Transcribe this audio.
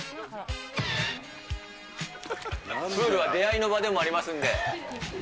プールは出会いの場でもありますんで。